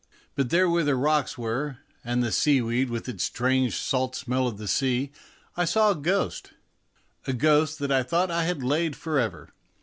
But there where the rocks were and the seaweed with its strange, sad smell of the sea, I saw a ghost a ghost that I thought I had laid for ever.